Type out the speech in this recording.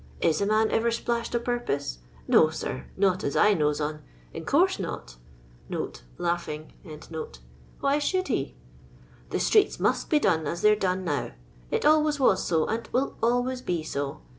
Is a man ever splashed o' purpoael No, sir, not as I knows on, in coorse not [Langhing.] Why should he )" The streets must be done as they 're done now. It always was so, and will always be so.